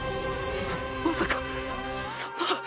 まさかそんな！